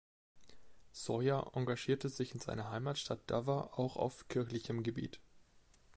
Sawyer engagierte sich in seiner Heimatstadt Dover auch auf kirchlichem Gebiet.